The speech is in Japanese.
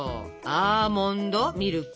アーモンドミルク！